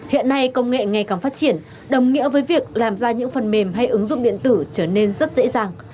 hiện nay công nghệ ngày càng phát triển đồng nghĩa với việc làm ra những phần mềm hay ứng dụng điện tử trở nên rất dễ dàng